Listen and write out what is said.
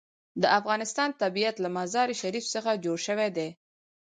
د افغانستان طبیعت له مزارشریف څخه جوړ شوی دی.